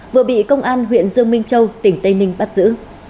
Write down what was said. vừa bị công an huyện dương minh châu tỉnh tây ninh bắt giữ